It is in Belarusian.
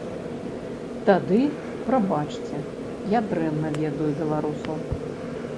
Тады, прабачце, я дрэнна ведаю беларусаў.